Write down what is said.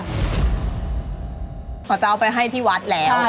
เขาจะเอาไปให้ที่วัดแล้ว